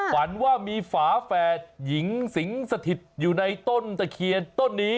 ฝันว่ามีฝาแฝดหญิงสิงสถิตอยู่ในต้นตะเคียนต้นนี้